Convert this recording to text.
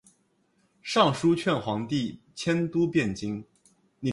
上书劝皇帝迁都汴京。